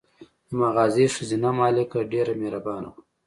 د مغازې ښځینه مالکه ډېره مهربانه وه.